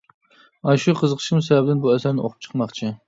ئاشۇ قىزىقىشىم سەۋەبىدىن بۇ ئەسەرنى ئوقۇپ چىقماقچى.